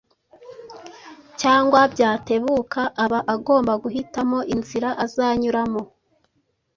cyangwa byatebuka aba agomba guhitamo inzira azanyuramo,